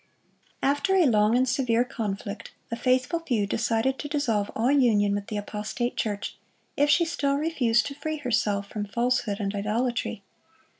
After a long and severe conflict, the faithful few decided to dissolve all union with the apostate church if she still refused to free herself from falsehood and idolatry.